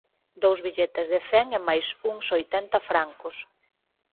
Dous billetes de cen e mais uns oitenta francos.